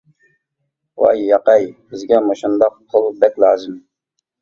-ۋاي ياقەي بىزگە مۇشۇنداق پۇل بەك لازىم.